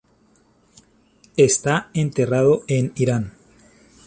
Está enterrado en Irán.